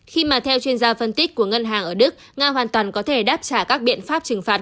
khi mà theo chuyên gia phân tích của ngân hàng ở đức nga hoàn toàn có thể đáp trả các biện pháp trừng phạt